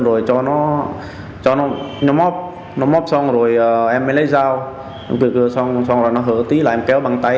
rồi cho nó móp nó móp xong rồi em mới lấy dao xong rồi nó hở tí là em kéo bằng chân